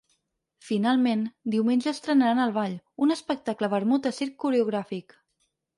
Finalment, diumenge estrenaran El Ball, un espectacle-vermut de circ coreogràfic.